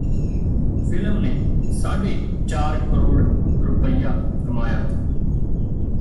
film ਨੇ ਸਾਢੇ ਚਾਰ ਕਰੋੜ ਰੁਪਈਆ ਕਮਾਇਆ